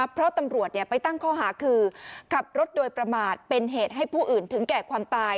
เพราะตำรวจไปตั้งข้อหาคือขับรถโดยประมาทเป็นเหตุให้ผู้อื่นถึงแก่ความตาย